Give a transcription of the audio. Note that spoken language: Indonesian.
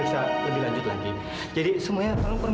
saya mau ada di sampingnya